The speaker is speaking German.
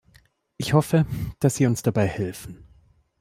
Ich hoffe, dass Sie uns dabei helfen.